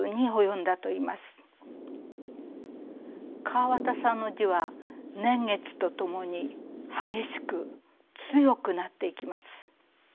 川端さんの字は年月とともに激しく強くなっていきます。